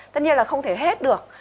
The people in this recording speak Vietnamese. tất nhiên là không thể hết được